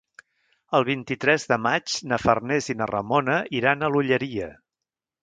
El vint-i-tres de maig na Farners i na Ramona iran a l'Olleria.